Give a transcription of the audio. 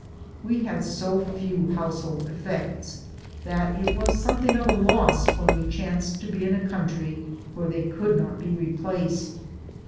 We had so few household effects that it was something of a loss when we chanced to be in a country where they could not be replaced.